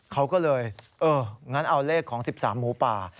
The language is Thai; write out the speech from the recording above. เขาก็เลยเอองั้นเอาเลขของ๑๓หมูป่า